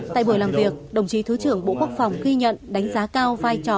tại buổi làm việc đồng chí thứ trưởng bộ quốc phòng ghi nhận đánh giá cao vai trò